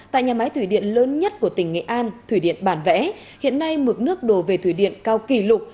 tại nhà máy thủy điện lớn nhất của tỉnh nghệ an thủy điện bản vẽ hiện nay mực nước đổ về thủy điện cao kỷ lục